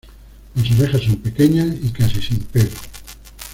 Las orejas son pequeñas y casi sin pelo.